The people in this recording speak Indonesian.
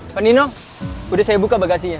pak nino udah saya buka bagasinya